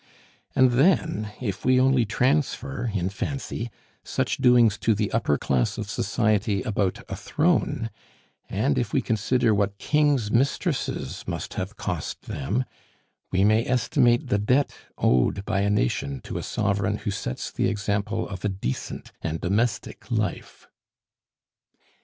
And then, if we only transfer, in fancy, such doings to the upper class of society about a throne, and if we consider what kings' mistresses must have cost them, we may estimate the debt owed by a nation to a sovereign who sets the example of a decent and domestic life.